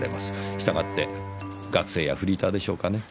従って学生やフリーターでしょうかね。